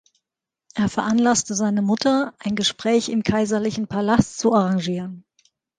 Er veranlasste seine Mutter, ein Gespräch im kaiserlichen Palast zu arrangieren.